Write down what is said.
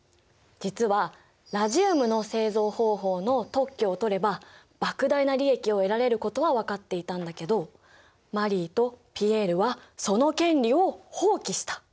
実はラジウムの製造方法の特許を取ればばく大な利益を得られることは分かっていたんだけどマリーとピエールはその権利を放棄した。